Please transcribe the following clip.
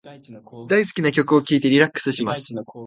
大好きな曲を聞いてリラックスします。